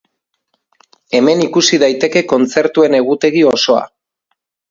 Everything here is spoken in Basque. Hemen ikusi daiteke kontzertuen egutegi osoa.